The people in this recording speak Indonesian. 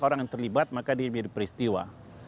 orang yang terlibat maka diberi peristiwa